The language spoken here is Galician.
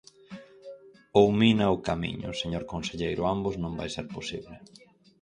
Ou mina ou Camiño, señor conselleiro, ambos non vai ser posible.